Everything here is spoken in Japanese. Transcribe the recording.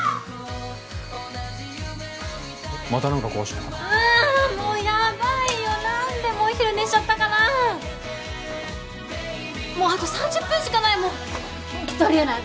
また何か壊したのかなああもうやばいよ何でもう昼寝しちゃったかなもうあと３０分しかないもうホントありえない